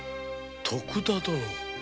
徳田殿！